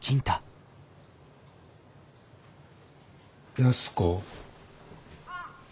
安子？